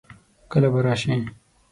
کله به راسې؟